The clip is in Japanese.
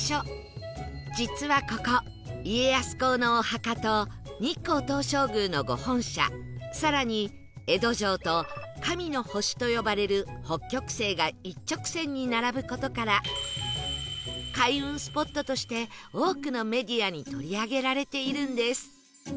実はここ家康公のお墓と日光東照宮の御本社更に江戸城と神の星と呼ばれる北極星が一直線に並ぶ事から開運スポットとして多くのメディアに取り上げられているんです